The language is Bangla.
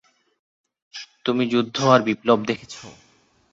তুমি যুদ্ধ আর বিপ্লব দেখেছ?